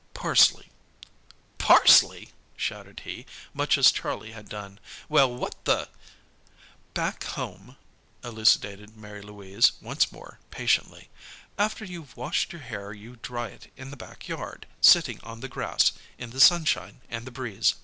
"Parsley." "Parsley!" shouted he, much as Charlie had done. "Well, what the " "Back home," elucidated Mary Louise once more, patiently, "after you've washed your hair you dry it in the back yard, sitting on the grass, in the sunshine and the breeze.